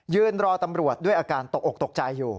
ยืนรอตำรวจด้วยอาการตกอกตกใจอยู่